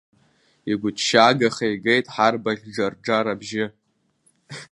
Игәыҭшьаагаха игеит ҳарбаӷь Џарџар абжьы.